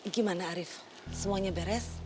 gimana arief semuanya beres